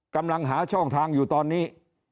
กำลังหาช่องทางอยู่ตอนนี้